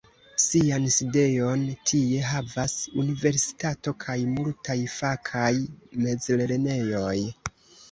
Sian sidejon tie havas Universitato kaj multaj fakaj mezlernejoj.